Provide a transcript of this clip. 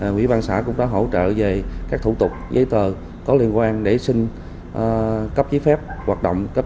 nguyễn văn sả cũng đã hỗ trợ về các thủ tục giấy tờ có liên quan để xin cấp giấy phép hoạt động